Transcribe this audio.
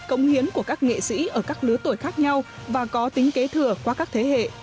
công hiến của các nghệ sĩ ở các lứa tuổi khác nhau và có tính kế thừa qua các thế hệ